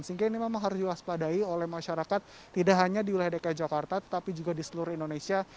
sehingga ini memang harus diwaspadai oleh masyarakat tidak hanya di wilayah dki jakarta tetapi juga di seluruh indonesia